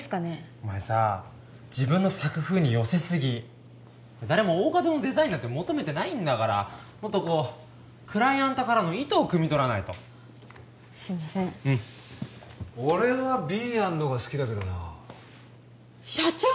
お前さ自分の作風に寄せすぎ誰も大加戸のデザインなんて求めてないんだからもっとこうクライアントからの意図をくみ取らないとすいませんうん俺はＢ案のが好きだけどな社長！